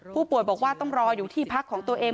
ผู้ป่วยบอกว่าต้องรออยู่ที่พักของตัวเอง